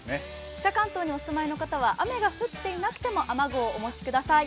北関東にお住まいの方は雨が降っていなくても雨具をお持ちください。